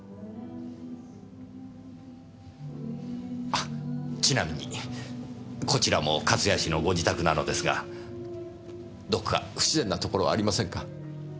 あちなみにこちらも勝谷氏のご自宅なのですがどこか不自然なところはありませんか？